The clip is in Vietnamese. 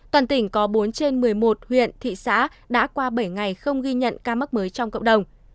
toàn tỉnh có bốn trên một mươi một huyện thị xã đã qua bảy ngày không ghi nhận ca mắc mới trong cộng đồng